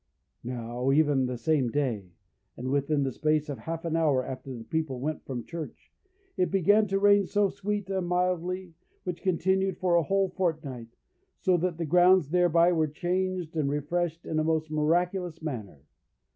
Now, even the same day, and within the space of half an hour after the people went from church, it began to rain so sweet and mildly, which continued for a whole fortnight, so that the grounds thereby were changed and refreshed in a most miraculous manner.